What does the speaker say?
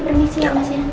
permisi ya mas